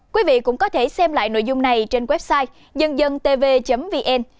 quý vị cũng có thể xem lại nội dung này trên website dân dân tv vn